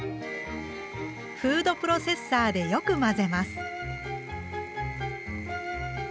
フードプロセッサーでよく混ぜます。